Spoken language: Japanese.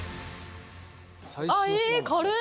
あっいい！